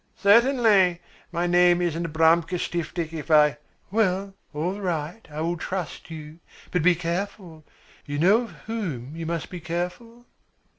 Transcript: "Certainly! My name isn't Abramka Stiftik if I " "Well, all right, I will trust you. But be careful. You know of whom you must be careful?"